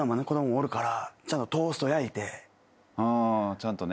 ちゃんとね。